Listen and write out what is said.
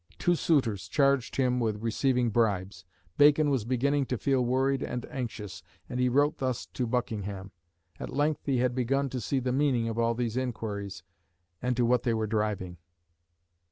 Two suitors charged him with receiving bribes. Bacon was beginning to feel worried and anxious, and he wrote thus to Buckingham. At length he had begun to see the meaning of all these inquiries, and to what they were driving.